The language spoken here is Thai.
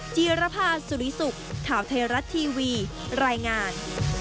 จีรภาสุริสุขข่าวไทยรัฐทีวีรายงาน